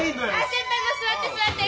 先輩も座って座って。